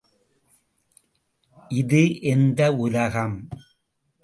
இது எந்த உலகம்!